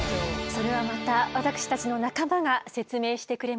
それはまた私たちの仲間が説明してくれます。